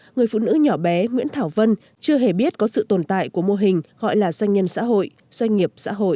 người phụ nữ nhỏ bé nguyễn thảo vân chưa hề biết có sự tồn tại của mô hình gọi là doanh nhân xã hội doanh nghiệp xã hội